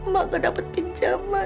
mak gak dapat pinjaman